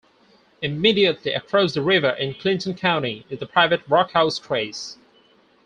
Immediately across the river in Clinton County is the private Rockhouse Trace.